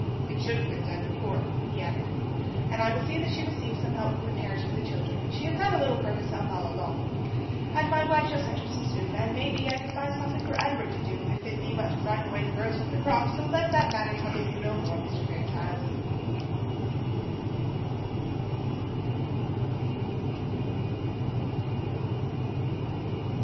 "It should have been done before," he added. "And I will see that she receives some help from the parish for the children; she has had a little for herself all along. And my wife shall send her some soup, and, may be, I could find something for Edward to do, if it be but to frighten away the birds from the crops; so let that matter trouble you no more, Mr. Fairchild."